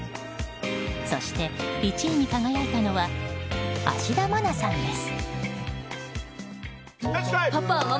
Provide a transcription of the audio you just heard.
そして、１位に輝いたのは芦田愛菜さんです。